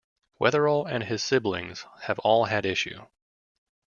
Weatherall and his siblings have all had issue.